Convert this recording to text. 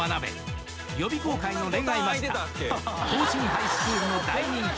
「予備校界の恋愛マスター東進ハイスクールの大人気講師